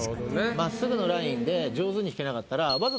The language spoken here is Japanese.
真っすぐのラインで上手に引けなかったら。